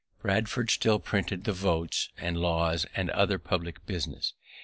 Bradford still printed the votes, and laws, and other publick business.